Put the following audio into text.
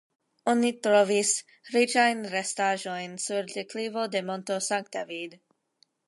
Oni trovis riĉajn restaĵojn sur deklivo de monto Sankta Vid.